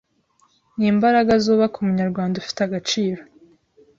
n’imbaraga zubaka Umunyarwanda ufi te agaciro,